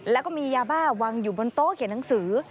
แล้วก็มียาบ้าวางอยู่บนโต๊ะเขียนหนังสือ